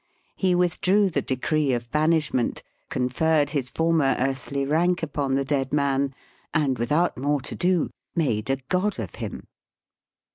He withdrew the decree of banishment, conferred his former earthly rank upon the dead man^ and, without more to do, made a god of him.